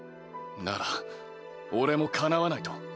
なら俺もかなわないと？